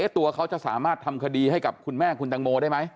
ตัวเขาจะสามารถทำคดีให้กับคุณแม่คุณตังโมได้ไหม